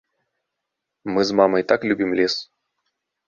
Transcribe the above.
Мы з мамай так любім лес.